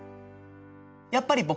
やっぱり僕がね